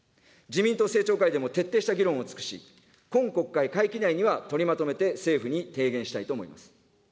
自民党政調会でも、徹底した議論を尽くし、今国会会期内には取りまとめて政府に提言したいと思います。